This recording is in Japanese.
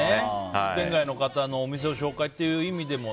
商店街の方のお店を紹介という意味でも。